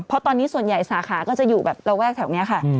เพราะตอนนี้ส่วนใหญ่สาขาก็จะอยู่แบบระแวกแถวนี้ค่ะ